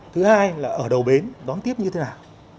thứ hai là ở đầu bến đón tiếp như thế nào